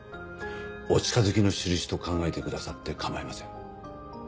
お近づきの印と考えてくださって構いません。